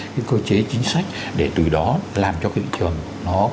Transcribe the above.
cái cơ chế chính sách để từ đó làm cho thị trường